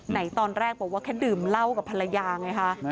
ตอนแรกบอกว่าแค่ดื่มเหล้ากับภรรยาไงคะ